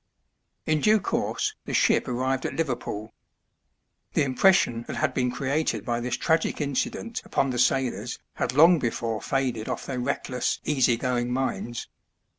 In due course the ship arrived at Liverpool. The impression that had been created by this tragic incident upon the sailors had long before faded off their reckless, easy going minds.